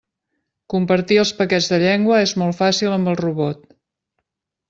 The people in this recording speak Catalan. Compartir els paquets de llengua és molt fàcil amb el robot.